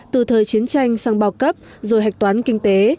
từ thời chiến tranh sang bao cấp rồi hạch toán kinh tế